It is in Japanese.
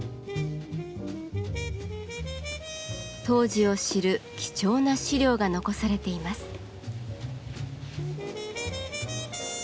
当時を知る貴重な資料が残されています。